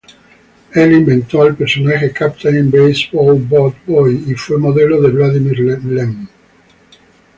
Él inventó al personaje Captain Baseballbat-Boy y fue modelo de Vladimir Lem.